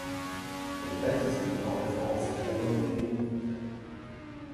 Il est baptisé en référence à la communauté d'.